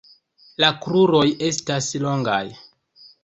La kruroj estas longaj.